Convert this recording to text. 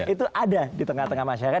itu ada di tengah tengah masyarakat